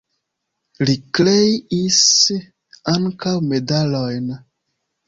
Li kreis ankaŭ medalojn.